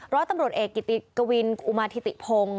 ร้อยตำรวจเอกกิติกวินอุมาธิติพงศ์